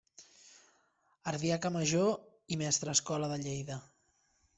Ardiaca major i mestrescola de Lleida.